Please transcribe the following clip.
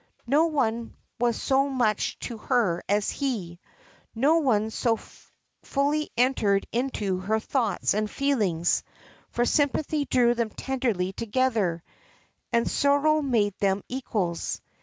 No one was so much to her as he; no one so fully entered into her thoughts and feelings; for sympathy drew them tenderly together, and sorrow made them equals.